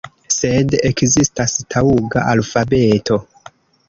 Sed ekzistas taŭga alfabeto.